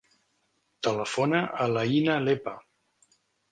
Telefona a l'Aïna Lepe.